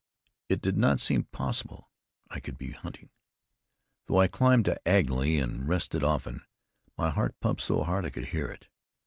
It did not seem possible I could be hunting. Though I climbed diagonally, and rested often, my heart pumped so hard I could hear it.